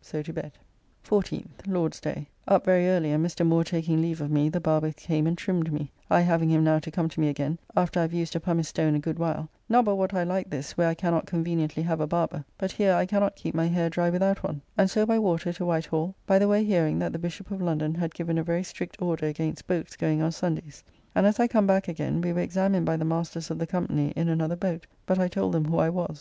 So to bed. 14th (Lord's day). Up very early, and Mr. Moore taking leave of me the barber came and trimmed me (I having him now to come to me again after I have used a pumice stone a good while, not but what I like this where I cannot conveniently have a barber, but here I cannot keep my hair dry without one), and so by water to White Hall, by the way hearing that the Bishop of London had given a very strict order against boats going on Sundays, and as I come back again, we were examined by the masters of the company in another boat; but I told them who I was.